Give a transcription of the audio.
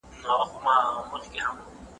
انتقادي فکر څنګه د تحلیل وړتیا پیاوړې کوي؟